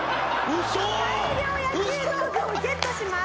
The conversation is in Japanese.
大量野球道具をゲットします。